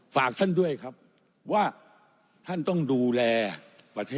ฝากท่านด้วยครับว่าท่านต้องดูแลประเทศ